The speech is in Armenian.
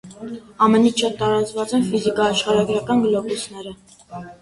Ամենից շատ տարածված են ֆիզիկաաշխարհագրական գլոբուսները։